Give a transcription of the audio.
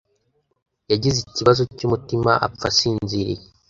yagize ikibazo cy'umutima apfa asinziriye.